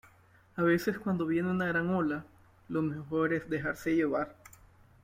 a veces, cuando viene una gran ola , lo mejor es dejarse llevar.